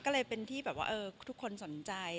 ก็เลยเป็นที่แบบว่าทุกคนสนใจ